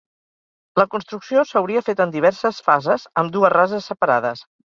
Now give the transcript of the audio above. La construcció s'hauria fet en diverses fases amb dues rases separades.